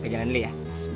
gak jalan dulu ya